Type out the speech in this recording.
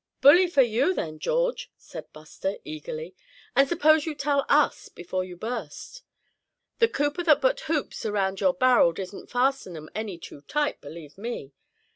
"Bully for you, then, George," said Buster, eagerly, "and suppose you tell us before you burst. The cooper that put hoops around your barrel didn't fasten 'em any too tight, believe me.